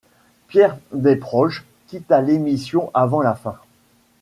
Pierre Desproges quitta l'émission avant la fin.